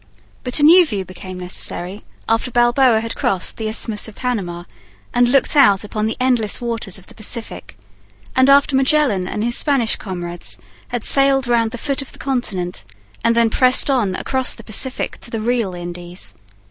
But a new view became necessary after Balboa had crossed the isthmus of Panama and looked out upon the endless waters of the Pacific, and after Magellan and his Spanish comrades had sailed round the foot of the continent, and then pressed on across the Pacific to the real Indies.